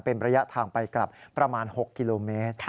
เป็นระยะทางไปกลับประมาณ๖กิโลเมตร